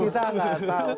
kita gak tau